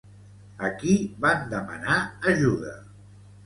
A qui van demanar ajuda?